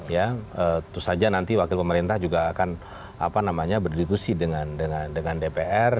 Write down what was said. ya tentu saja nanti wakil pemerintah juga akan berdiskusi dengan dpr